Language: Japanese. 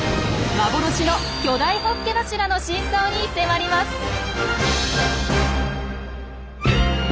幻の巨大ホッケ柱の真相に迫ります！